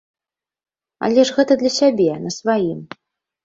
Але ж гэта для сябе, на сваім.